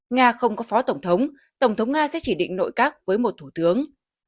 nga không có phó tổng thống tổng thống nga sẽ chỉ định nội các với một thủ tướng